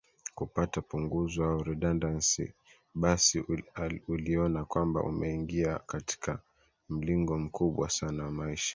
kupata punguzwa au redudancy basi uliona kwamba umeingia katika mlingo mkubwa sana wa maisha